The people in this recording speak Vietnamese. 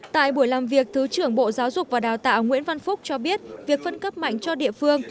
tại buổi làm việc thứ trưởng bộ giáo dục và đào tạo nguyễn văn phúc cho biết việc phân cấp mạnh cho địa phương